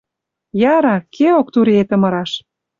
Яра, кеок туриэтӹм ыраш.